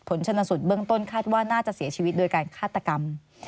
ชนสูตรเบื้องต้นคาดว่าน่าจะเสียชีวิตโดยการฆาตกรรม